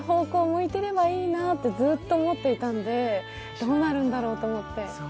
向いてればいいなって、ずっと思っていたので、どうなるんだろうと思って。